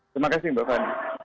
terima kasih mbak fani